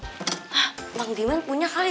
hah nankiman punya kali